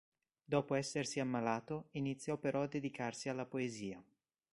Dopo essersi ammalato, iniziò però a dedicarsi alla poesia.